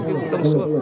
cái khu đông xuân